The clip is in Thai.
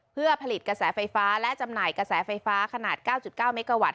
เพื่อผลิตกระแสไฟฟ้าและจำหน่ายกระแสไฟฟ้าขนาด๙๙เมกาวัต